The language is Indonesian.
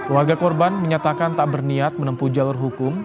warga korban menyatakan tak berniat menempuh jalur hukum